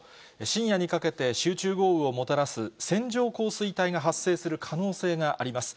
深夜にかけて集中豪雨をもたらす線状降水帯が発生する可能性があります。